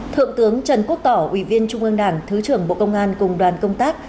thượng tướng trần quốc tỏ ủy viên trung ương đảng thứ trưởng bộ công an cùng đoàn công tác